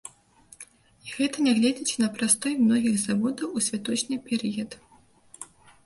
І гэта нягледзячы на прастой многіх заводаў у святочны перыяд.